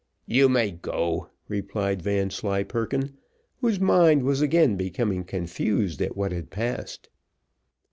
"You may go," replied Vanslyperken, whose mind was again becoming confused at what had passed.